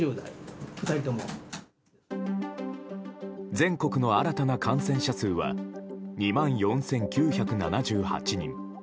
全国の新たな感染者数は２万４９７８人。